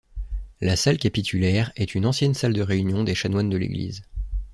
La salle capitulaire est une ancienne salle de réunion des chanoines de l'église.